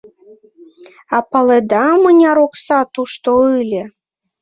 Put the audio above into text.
А паледа, мыняр окса тушто ыле?